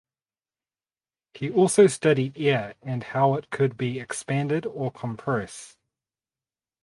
He also studied air and how it could be expanded or compressed.